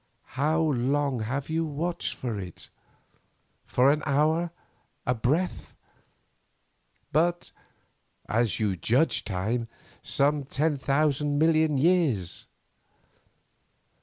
How long have you watched it? For an hour, a breath; but, as you judge time, some ten thousand million years.